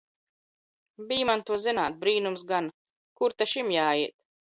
Bij man to zināt! Brīnums gan! Kur ta šim jāiet!